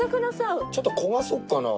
ちょっと焦がそっかな。